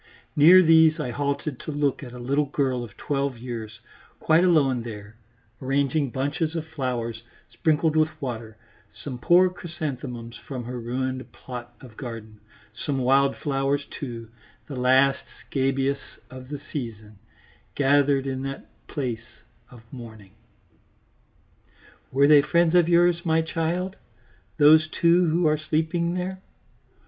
Near these I halted to look at a little girl of twelve years, quite alone there, arranging bunches of flowers sprinkled with water, some poor chrysanthemums from her ruined plot of garden, some wild flowers too, the last scabious of the season, gathered in that place of mourning. "Were they friends of yours, my child, those two who are sleeping there?"